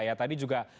ya tadi juga